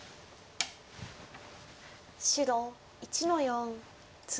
白１の四ツギ。